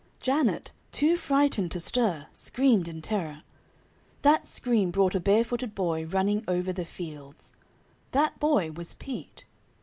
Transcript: Janet, too frightened to stir, screamed in terror. That scream brought a barefooted boy running over the fields. That boy was Pete.